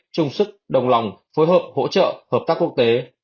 chung sức đồng lòng phối hợp hỗ trợ hợp tác quốc tế